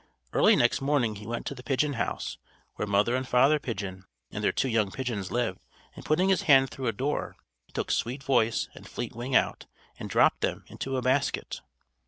Early next morning he went to the pigeon house, where Mother and Father Pigeon and their two young pigeons lived; and putting his hand through a door, he took Sweet Voice and Fleet Wing out, and dropped them into a basket.